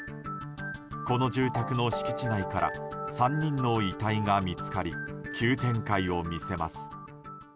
この住宅の敷地内から３人の遺体が見つかり急展開を見せます。